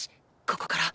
ここから。